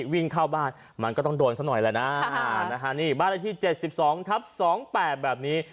วิ่งเข้าบ้านมันก็ต้องโดนสักหน่อยแหละน่านะคะนี่บ้านที่เจ็ดสิบสองทับสองแปบแบบนี้